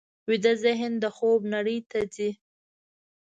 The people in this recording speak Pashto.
ویده ذهن د خوب نړۍ ته ځي